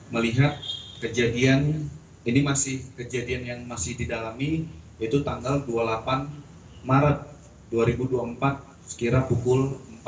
melihat kejadian ini masih kejadian yang masih didalami itu tanggal dua puluh delapan maret dua ribu dua puluh empat sekira pukul empat belas